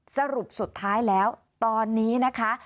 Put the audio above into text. สรุปสุดท้ายแล้วตอนนี้นะคะ